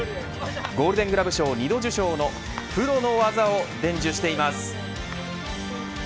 ゴールデン・グラブ賞２度受賞のプロの技を伝授しています。